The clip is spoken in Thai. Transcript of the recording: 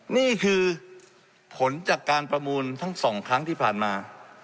นี่คือผลจากการประมูลทั้งสองครั้งที่ผ่านมา